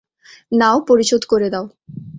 নাও, পরিশোধ করে দাও।